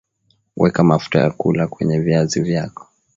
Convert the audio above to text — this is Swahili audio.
weka mafuta ya kula kwenye viazi vyako